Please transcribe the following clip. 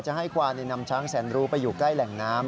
ให้ควานนำช้างแสนรู้ไปอยู่ใกล้แหล่งน้ำ